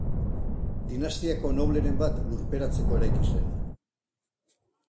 Dinastiako nobleren bat lurperatzeko eraiki zen.